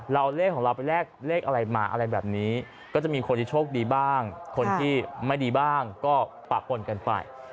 เราเอาเลขของเราไปแลกเลขอะไรมาอะไรแบบนี้ก็จะมีคนที่โชคดีบ้างคนที่ไม่ดีบ้างก็ปะปนกันไป